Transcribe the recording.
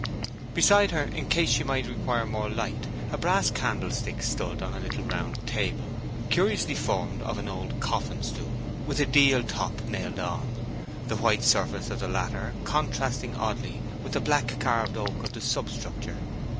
Beside her, in case she might require more light, a brass candlestick stood on a little round table, curiously formed of an old coffin stool, with a deal top nailed on, the white surface of the latter contrasting oddly with the black carved oak of the substructure.